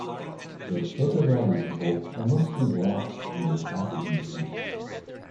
The Chota valley people are mostly black and of African descent.